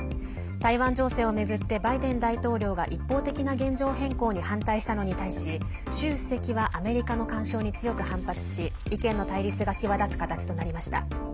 台湾情勢を巡ってバイデン大統領が一方的な現状変更に反対したのに対し習主席はアメリカの干渉に強く反発し意見の対立が際立つ形となりました。